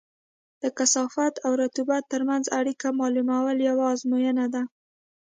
د کثافت او رطوبت ترمنځ اړیکه معلومول یوه ازموینه ده